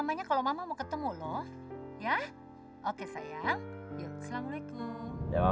jadi ya sudah arcangan untuk kamu